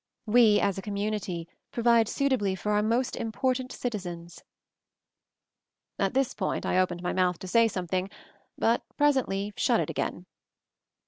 We, as a community, provide suitably for our most important citizens." At this point I opened my mouth to say something, but presently shut it again.